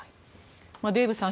デーブさん